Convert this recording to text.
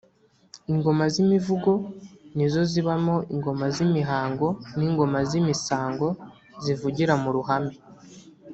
Ingoma z’imivugo nizo zibamo Ingoma z’imihango n’Ingoma z’imisango zivugira mu ruhame